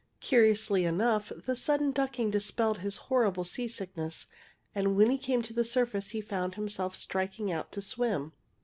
"Curiously enough, the sudden ducking dispelled his horrible sickness, and when he came to the surface he found himself striking out to swim.